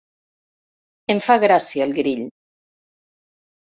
Em fa gràcia el grill.